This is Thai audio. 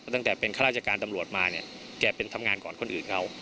ตั้งแต่เป็นข้าราชการตำรวจมาเนี่ยแกเป็นทำงานก่อนคนอื่นเขา